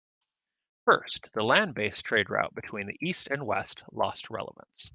First, the land based trade route between east and west lost relevance.